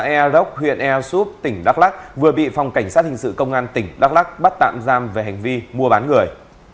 xã ea rốc huyện ea súp tỉnh đắk lắc vừa bị phòng cảnh sát hình sự công an tỉnh đắk lắc bắt tạm giam về hành vi mua bán người